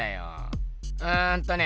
うんとね。